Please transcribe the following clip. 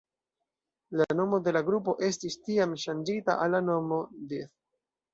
La nomo de la grupo estis, tiam, ŝanĝita al la nomo Death.